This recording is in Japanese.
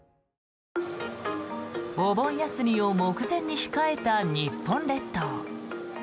お盆休みを目前に控えた日本列島。